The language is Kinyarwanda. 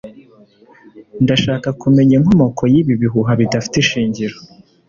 ndashaka kumenya inkomoko yibi bihuha bidafite ishingiro